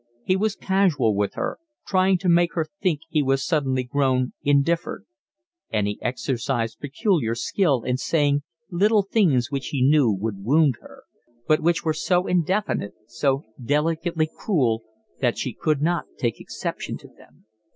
He was casual with her, trying to make her think he was suddenly grown indifferent; and he exercised peculiar skill in saying little things which he knew would wound her; but which were so indefinite, so delicately cruel, that she could not take exception to them.